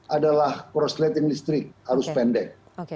adalah cross lighting listrik arus pendek